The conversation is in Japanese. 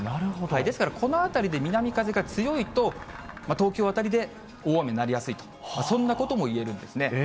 ですから、この辺りで南風が強いと、東京辺りで大雨になりやすいと、そんなこともいえるんですね。